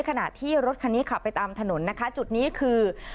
ขณะที่รถคันนี้ขับไปตามถนนนะคะจุดนี้คือ